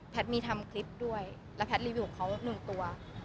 แพทย์มีทำคลิปด้วยแล้วแพทย์รีวิวของเขาหนึ่งตัว